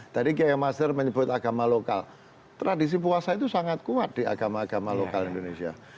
tadi kiai mazhar menyebut agama lokal tradisi puasa itu sangat kuat di agama agama lokal indonesia